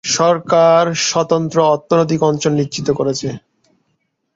সরকার স্বতন্ত্র অর্থনৈতিক অঞ্চল নিশ্চিত করেছে।